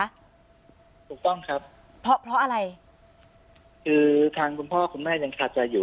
ถูกต้องครับเพราะเพราะอะไรคือทางคุณพ่อคุณแม่ยังคาใจอยู่